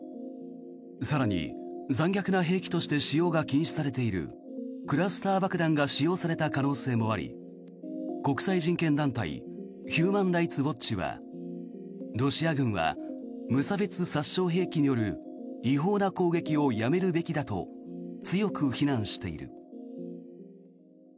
更に、残虐な兵器として使用が禁止されているクラスター爆弾が使用された可能性もあり国際人権団体ヒューマン・ライツ・ウォッチはロシア軍は無差別殺傷兵器による違法な攻撃をやめるべきだと強く非難している。